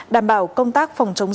đảm bảo công tác phòng chống dịch